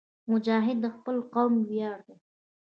مجاهد د خپل قوم ویاړ دی.